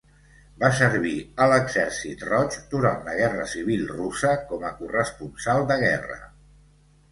Va servir a l'Exèrcit Roig durant la Guerra Civil Russa com a corresponsal de guerra.